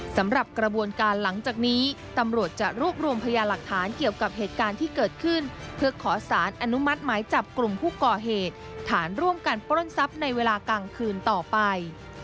สำหรับกระบวนการหลังจากนี้ตำรวจจะรวบรวมพยาหลักฐานเกี่ยวกับเหตุการณ์ที่เกิดขึ้นเพื่อขอสารอนุมัติหมายจับกลุ่มผู้ก่อเหตุฐานร่วมกันปล้นทรัพย์ในเวลากลางคืนต่อไป